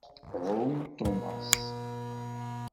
Iɛum Thomas.